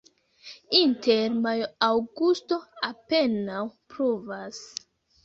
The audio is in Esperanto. Inter majo-aŭgusto apenaŭ pluvas.